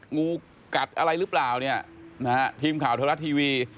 งูกัดอะไรหรือเปล่าทีมข่าวไทยรัฐทีวี